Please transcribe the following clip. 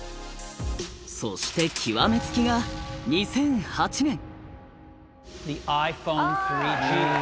そして極めつきが２００８年！